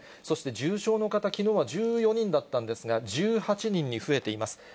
そして重症の方、きのうは１４人だったんですが、１８人に増えています。